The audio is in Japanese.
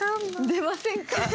出ませんか？